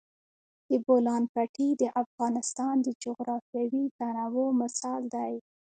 د بولان پټي د افغانستان د جغرافیوي تنوع مثال دی.